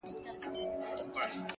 • زرافه هم ډېره جګه وي ولاړه,